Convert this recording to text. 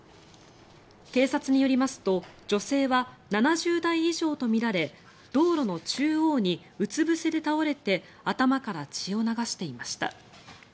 警察によりますと女性は７０代以上とみられ道路の中央にうつぶせで倒れて頭から血を流していました。